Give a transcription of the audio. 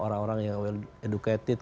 orang orang yang well educated